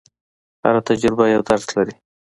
هره تجربه یو درس لري.